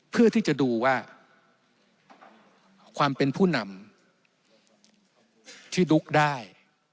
เพื่อที่จะดูว่าความเป็นผู้นำที่ดุ๊กได้